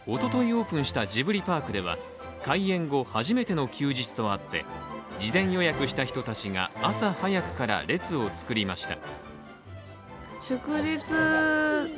オープンしたジブリパークでは開園後初めての休日とあって事前予約した人たちが朝早くから列を作りました。